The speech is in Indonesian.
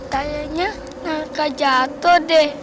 kayaknya nangka jatuh deh